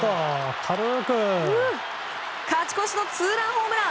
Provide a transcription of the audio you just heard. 勝ち越しのツーランホームラン。